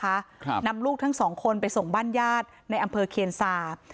ครับนำลูกทั้งสองคนไปส่งบ้านญาติในอำเภอเคียนซา